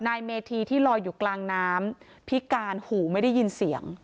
นายเมธีที่ลอยอยู่กลางน้ำพิการหูไม่ได้ยินเสียง